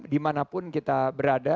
dimanapun kita berada